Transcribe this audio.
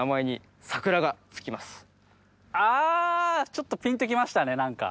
ちょっとピンと来ましたね何か。